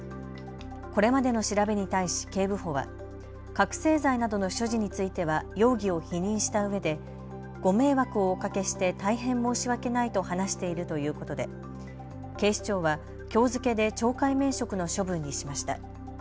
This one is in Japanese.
これまでの調べに対し警部補は覚醒剤などの所持については容疑を否認したうえで、ご迷惑をおかけして大変申し訳ないと話しているということで警視庁はきょう付けで懲戒免職の処分にしました。